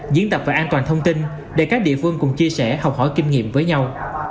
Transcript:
diễn tập và an toàn thông tin để các địa phương cùng chia sẻ học hỏi kinh nghiệm với nhau